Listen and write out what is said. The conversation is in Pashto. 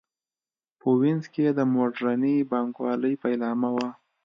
په وینز کې د موډرنې بانک والۍ پیلامه وه.